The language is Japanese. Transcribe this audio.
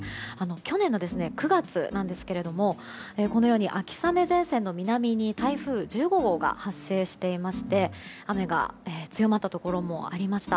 去年の９月なんですがこのように秋雨前線の南に台風１５号が発生していまして雨が強まったところもありました。